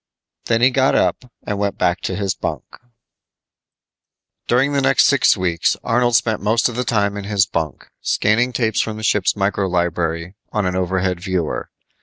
Then he got up and went back to his bunk. During the next six weeks, Arnold spent most of the time in his bunk, scanning tapes from the ship's micro library on an overhead viewer.